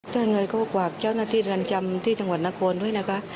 ถ้ายังไงก็ฝากเจ้าหน้าที่เรือนจำที่จังหวัดนครด้วยนะคะ